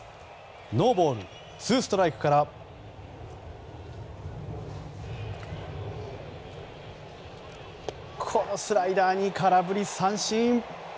ノーボールツーストライクからこのスライダーに空振り三振。